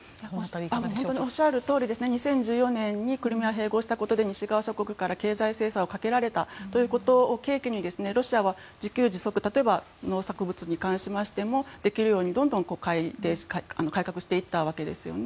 おっしゃるとおりで２０１４年にクリミア併合したことで西側諸国から経済制裁をかけられたということを契機にロシアは、例えば農作物についても自給自足ができるようにどんどん改革していったわけですよね。